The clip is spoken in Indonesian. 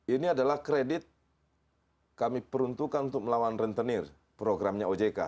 ini adalah kredit kami peruntukkan untuk melawan rentenir programnya ojk